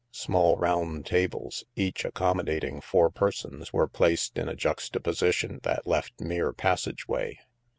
Small round tables, each accom modating four persons, were placed in a juxtaposi tion that left mere passageway.